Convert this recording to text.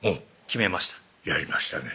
やりましたね